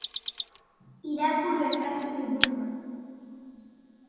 Irakur ezazu liburua.